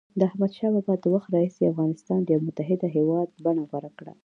د احمدشاه بابا د وخت راهيسي افغانستان د یوه متحد هېواد بڼه غوره کړه.